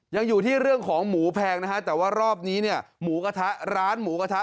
ยังอยู่ที่เรื่องของหมูแพงนะฮะแต่ว่ารอบนี้เนี่ยหมูกระทะร้านหมูกระทะ